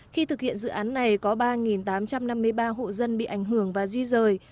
khi thực hiện dự án này có ba tám trăm năm mươi ba hộ dân bị ảnh hưởng và di rời